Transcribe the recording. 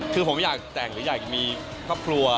คือผมอยากแต่งหรืออยากมีครอบครัว